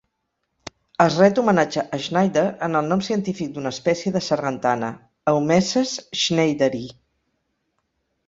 Es ret homenatge a Schneider en el nom científic d'una espècie de sargantana, "Eumeces schneideri".